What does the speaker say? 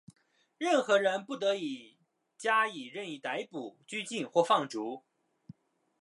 任何人不得加以任意逮捕、拘禁或放逐。